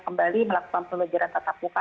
kembali melakukan pembelajaran tetap muka